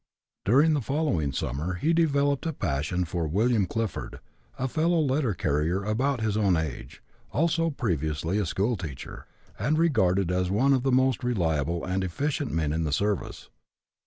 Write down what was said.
During the following summer he developed a passion for William Clifford, a fellow letter carrier about his own age, also previously a schoolteacher, and regarded as one of the most reliable and efficient men in the service.